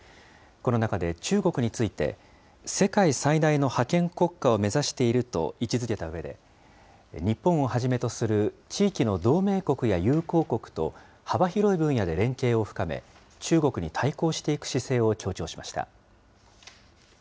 この中で中国について、世界最大の覇権国家を目指していると位置づけたうえで、日本をはじめとする、地域の同盟国や友好国と幅広い分野で連携を深め、中国に対抗していく姿勢を強調しました。